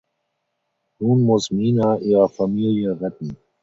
Nun muss Mina ihre Familie retten.